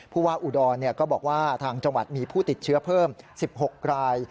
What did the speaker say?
ผู้ว่าอุดรก็บอกว่าทางจังหวัดมีผู้ติดเชื้อเพิ่ม๑๖ราย